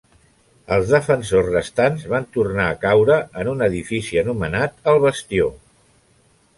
Els defensors restants van tornar a caure en un edifici anomenat el 'bastió'.